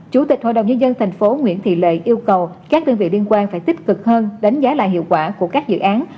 chủ tịch hội đồng nhân dân tp nguyễn thị lệ yêu cầu các đơn vị liên quan phải tích cực hơn đánh giá lại hiệu quả của các dự án